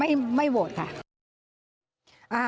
ไม่มีไม่โหวตค่ะ